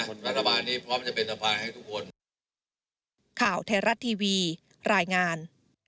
รัฐบาลนี้พร้อมจะเป็นสะพานให้ทุกคนข่าวไทยรัฐทีวีรายงาน